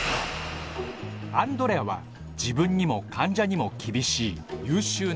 アンドレアは自分にも患者にも厳しい優秀な内科医。